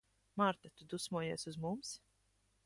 Marta, tu dusmojies uz mums?